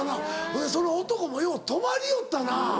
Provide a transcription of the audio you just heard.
ほんでその男もよう泊まりよったな。